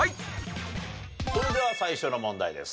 それでは最初の問題です。